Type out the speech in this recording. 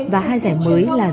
và hai giải mới là giải c